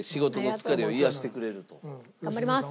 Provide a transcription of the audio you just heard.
頑張ります。